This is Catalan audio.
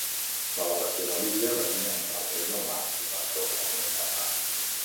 L'elevació de l'illa varia entre el nivell del mar i per sobre del nivell del mar.